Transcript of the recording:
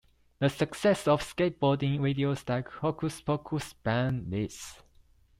The success of skateboarding videos like Hokus Pokus, Ban This!